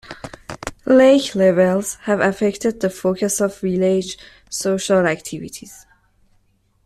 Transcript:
Lake levels have affected the focus of village social activities.